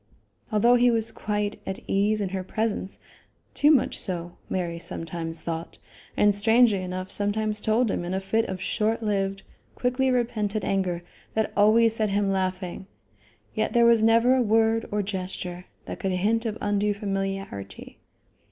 Although he was quite at ease in her presence, too much so, Mary sometimes thought, and strangely enough sometimes told him in a fit of short lived, quickly repented anger that always set him laughing, yet there was never a word or gesture that could hint of undue familiarity.